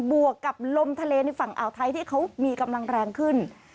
วกกับลมทะเลในฝั่งอ่าวไทยที่เขามีกำลังแรงขึ้น